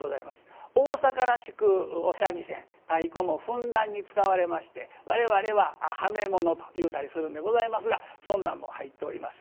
大阪らしくお三味線太鼓もふんだんに使われまして我々は「ハメモノ」と言うたりするんでございますがそんなんも入っております。